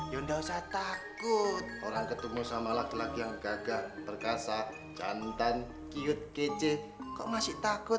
yaudah usah takut orang ketemu sama laki laki yang gagah berkasak cantan cute kece kok masih takut